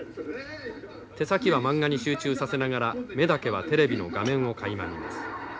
手先はマンガに集中させながら目だけはテレビの画面をかいま見ます。